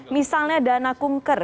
misalnya dana kumker